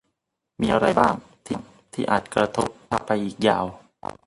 มีอะไรบ้างที่อาจกระทบสุขภาพไปอีกยาว